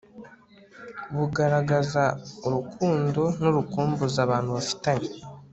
bugaragaza urukundo nurukumbuzi abantu bafitanye